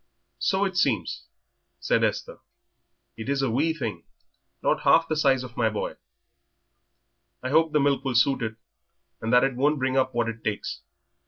"So it seems," said Esther; "it is a wee thing, not half the size of my boy." "I hope the milk will suit it, and that it won't bring up what it takes.